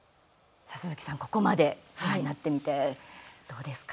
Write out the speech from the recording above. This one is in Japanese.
さあ、鈴木さん、ここまでご覧になってみてどうですか。